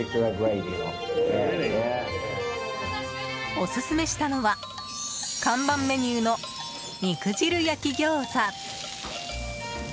オススメしたのは看板メニューの肉汁焼餃子。